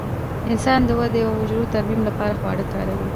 انسان د ودې او حجرو ترمیم لپاره خواړه کاروي.